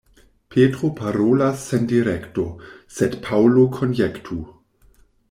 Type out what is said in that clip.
Petro parolas sen direkto, sed Paŭlo konjektu.